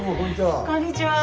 こんにちは。